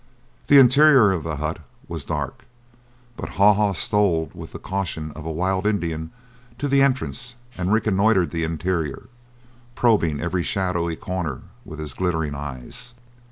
The interior of the hut was dark, but Haw Haw stole with the caution of a wild Indian to the entrance and reconnoitered the interior, probing every shadowy corner with his glittering eyes.